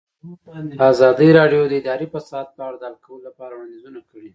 ازادي راډیو د اداري فساد په اړه د حل کولو لپاره وړاندیزونه کړي.